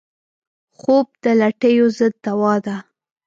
خوب د لټیو ضد دوا ده